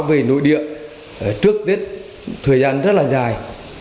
về nội địa trước tết thời gian rất là dài